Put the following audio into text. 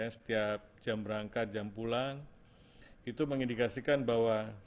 setiap jam berangkat jam pulang itu mengindikasikan bahwa